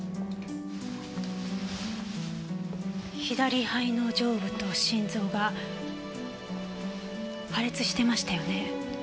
左肺の上部と心臓が破裂してましたよね？